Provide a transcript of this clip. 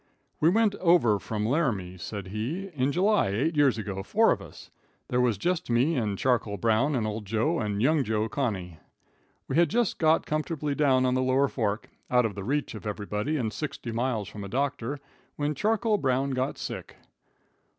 "We went over from Larmy," said he, "in July, eight years ago four of us. There was me and Charcoal Brown, and old Joe and young Joe Connoy. We had just got comfortably down on the Lower Fork, out of the reach of everybody and sixty miles from a doctor, when Charcoal Brown got sick.